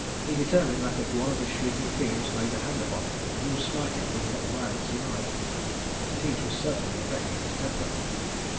He determined that if one of the shrieking fiends laid a hand upon him, he would smite him with what violence he might. The heat was certainly affecting his temper.